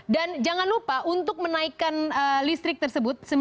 dan jangan lupa untuk menaikkan listrik tersebut